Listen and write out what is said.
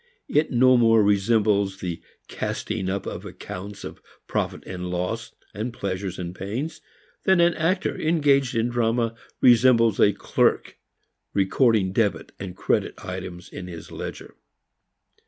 It no more resembles the casting up of accounts of profit and loss, pleasures and pains, than an actor engaged in drama resembles a clerk recording debit and credit items in his ledger.